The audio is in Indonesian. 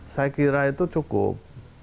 saya kira itu cukup